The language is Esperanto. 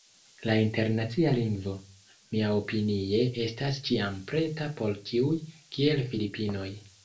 La Internacia Lingvo, miaopinie estas ĉiam preta por ĉiuj, kiel Filipinoj.